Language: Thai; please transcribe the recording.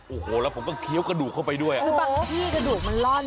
โอ้โหแล้วผมก็เคี้ยวกระดูกเข้าไปด้วยอ่ะคือบางที่กระดูกมันล่อน